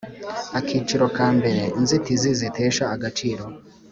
Akiciro kambere Inzitizi zitesha agaciro